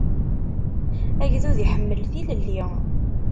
Agdud iḥemmel tilelli.